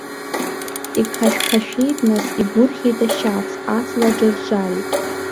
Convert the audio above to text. Иқашәқашәеит нас, игәырӷьеит ашьац, аҵла џарџарит.